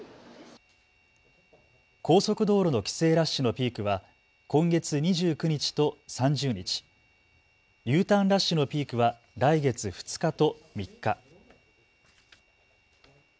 高速道路の帰省ラッシュのピークは今月２９日と３０日、Ｕターンラッシュのピークは来月２日と３日。